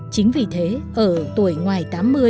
chính vì thế ở tuổi ngoài tám mươi